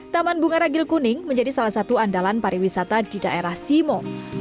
taman bunga ragil kuning menjadi salah satu andalan pariwisata di daerah simo